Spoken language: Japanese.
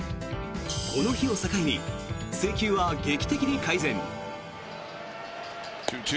この日を境に制球は劇的に改善。